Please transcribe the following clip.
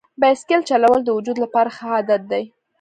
بایسکل چلول د وجود لپاره ښه عادت دی.